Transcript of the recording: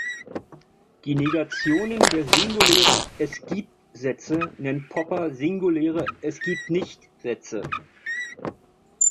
Die Negationen der singulären Es-gibt-Sätze nennt Popper „singuläre Es-gibt-nicht-Sätze“.